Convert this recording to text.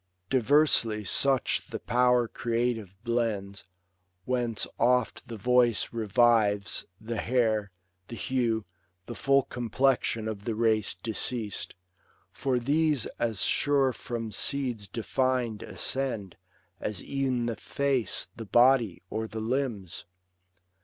Diversely such the power creative blends ; Whence oft the voice revives, the hair, the hue. The full complexion of the race deceas'd ; For these as sure from seeds defin'd ascend As e'en the face, the body, or the limbs.